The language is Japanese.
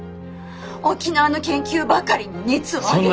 沖縄の研究ばかりに熱を上げて。